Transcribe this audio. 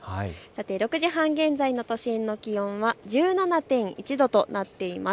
６時半現在の都心の気温は１７．１度となっています。